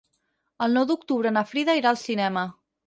El nou d'octubre na Frida irà al cinema.